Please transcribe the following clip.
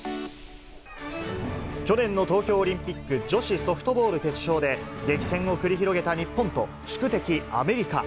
去年の東京オリンピック女子ソフトボール決勝で、激戦を繰り広げた日本と、宿敵アメリカ。